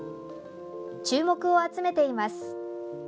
注目を集めています。